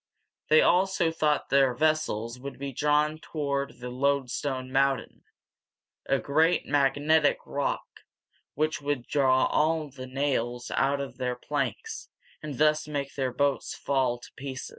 They also thought their vessels would be drawn toward the "Loadstone Mountain," a great magnetic rock which would draw all the nails out of their planks, and thus make their boats fall to pieces.